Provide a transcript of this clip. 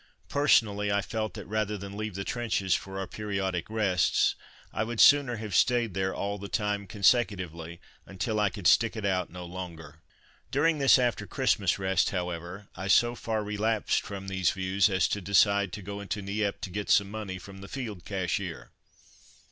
Personally, I felt that, rather than leave the trenches for our periodic rests, I would sooner have stayed there all the time consecutively, until I could stick it out no longer. During this after Christmas rest, however, I so far relapsed from these views as to decide to go into Nieppe to get some money from the Field Cashier.